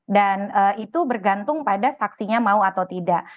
dan itu bergantung pada saksinya mau atau tidak